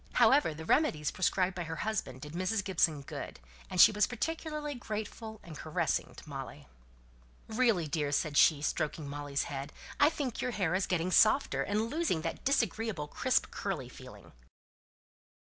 However, the remedies prescribed by her husband did Mrs. Gibson good; and she was particularly grateful and caressing to Molly. "Really, dear!" said she, stroking Molly's head, "I think your hair is getting softer, and losing that disagreeable crisp curly feeling."